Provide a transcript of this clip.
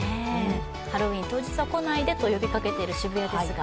ハロウィーン当日は来ないでと呼びかけている渋谷ですが